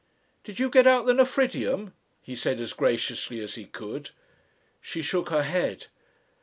"Did you get out the nephridium?" he said as graciously as he could. She shook her head.